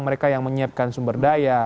mereka yang menyiapkan sumber daya